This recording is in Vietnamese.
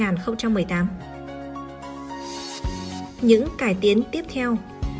những cải tiến tiếp theo